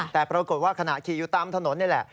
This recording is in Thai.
แต่ปรากฏว่าขณะขี่อยู่ตามถนนนี่แหละ